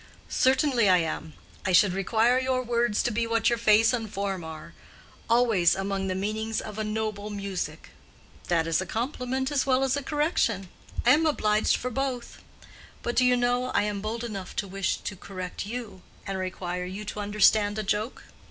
"Certainly I am. I should require your words to be what your face and form are—always among the meanings of a noble music." "That is a compliment as well as a correction. I am obliged for both. But do you know I am bold enough to wish to correct you, and require you to understand a joke?"